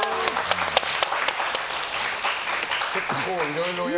結構、いろいろ。